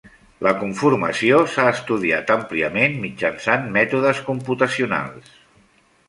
La conformació s'ha estudiat àmpliament mitjançant mètodes computacionals.